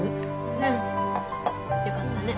うん。よかったね。